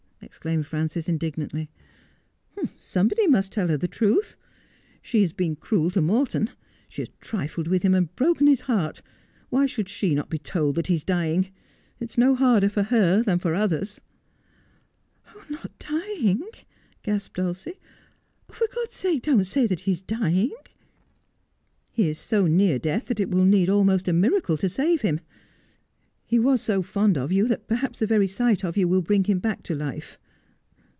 exclaimed Frances indignantly. ' Somebody must tell her the truth. She has been cruel to Morton. She has trifled with him and broken his heart. "Why should she not be told that he is dying 1 It is no harder for her than for others.' ' Not dying,' gasped Dulcie. ' For God's sake don't say that he is dying.' ' He is so near death that it will need almost a miracle to save him. He was so fond of you that perhaps the very sight of you will bring him back to life.